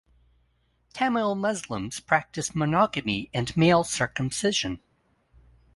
Tamil Muslims practice monogamy and male circumcision.